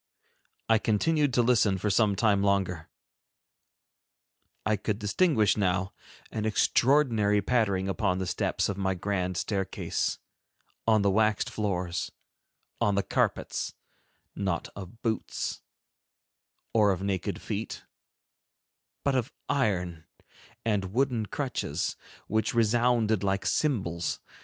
I continued to listen for some time longer. I could distinguish now an extraordinary pattering upon the steps of my grand staircase, on the waxed floors, on the carpets, not of boots, or of naked feet, but of iron and wooden crutches, which resounded like cymbals.